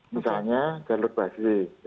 misalnya jalur basi